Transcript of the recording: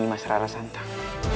menyusul kian santang